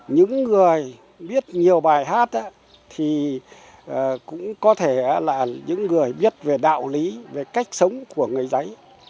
những người biết nhiều bài hát thì cũng có thể là những người biết về đạo lý về cách sống của người giấy